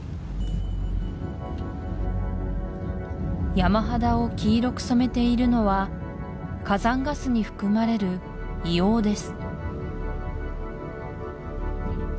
山肌を黄色く染めているのは火山ガスに含まれる硫黄です